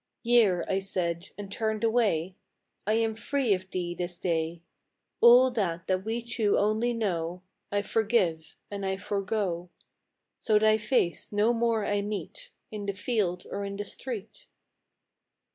" Year," I said, and turned away, " I am free of thee this day: All that we two only know, I forgive, and I forego; So thy face no more I meet, In the field or in the street."